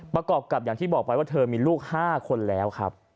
ประกอบกับอย่างที่บอกไปว่าเธอมีลูก๕คนแล้วครับ